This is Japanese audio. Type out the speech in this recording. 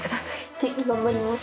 はい頑張ります。